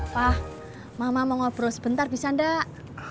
wah mama mau ngobrol sebentar bisa enggak